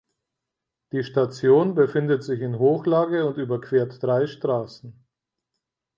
Die Station befindet sich in Hochlage und überquert drei Straßen.